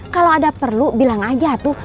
kalau ada perlu bilang aja tuh